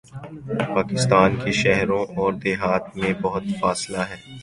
پاکستان کے شہروں اوردیہات میں بہت فاصلہ ہے۔